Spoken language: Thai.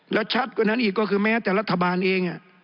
แล้วชัดกว่านั้นอีกก็คือแม้แต่รัฐบาลเอง